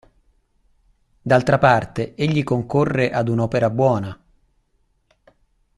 D'altra parte egli concorre ad un'opera buona.